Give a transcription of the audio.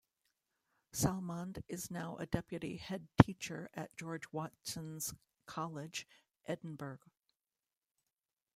Salmond is now a Deputy Headteacher at George Watson's College, Edinburgh.